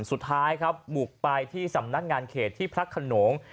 สุดท้ายก็หมุกไปที่สำนักงานเขตที่พลักคโน้ง